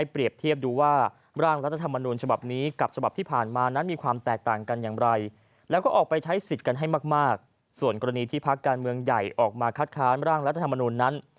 ผิดกันให้มากส่วนกรณีที่พักการเมืองใหญ่ออกมาคัดค้านร่างรัฐธรรมนุนนั้น